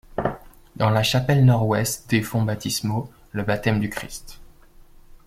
Dans la chapelle nord ouest des fonts baptismaux, le baptême du Christ.